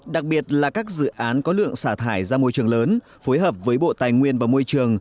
đặc biệt là các dự án có lượng xả thải ra môi trường lớn phối hợp với bộ tài nguyên và môi trường